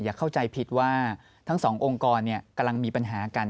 เข้าใจผิดว่าทั้งสององค์กรกำลังมีปัญหากัน